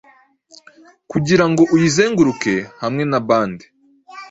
Kugirango uyizenguruke hamwe na bande?